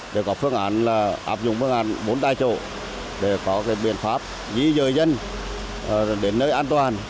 để có phương án là áp dụng phương án bốn tài trộn để có biện pháp di rời dân đến nơi an toàn